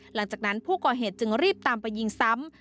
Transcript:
หลังจากนั้นผู้ก่อเหตุจึงรีบตามไปยิงซ้ำ